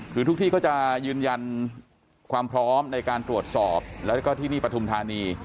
คือทุกที่เขาจะยืนยันความพร้อมในการตรวจสอบแล้วก็ที่นี่ปฐุมธานี